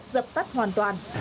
dập tắt hoàn toàn